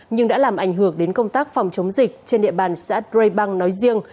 nhưng đã làm ảnh hưởng đến công tác phòng chống dịch trên địa bàn xã đray bang nói riêng